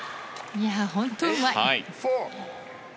本当、うまい。